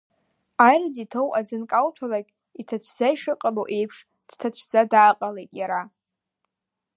Аирыӡ иҭоу аӡы анкауҭәалакь, иҭацәӡа ишыҟало еиԥш, дҭацәӡа дааҟалеит иара.